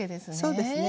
そうですね。